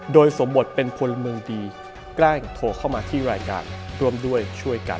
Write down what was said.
โดยสมบทเป็นพลเมืองดีแกล้งโทรเข้ามาที่รายการร่วมด้วยช่วยกัน